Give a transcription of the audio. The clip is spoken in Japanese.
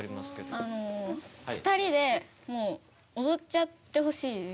２人でもうおどっちゃってほしいです。